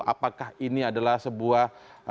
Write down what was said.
apakah ini adalah sebuah